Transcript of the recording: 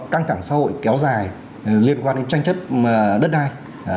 căng cảng xã hội kéo dài liên quan đến tranh chất đất đai